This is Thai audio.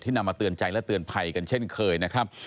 นำมาเตือนใจและเตือนภัยกันเช่นเคยนะครับ